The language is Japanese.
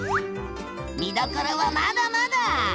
見どころはまだまだ！